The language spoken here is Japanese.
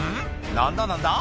何だ何だ？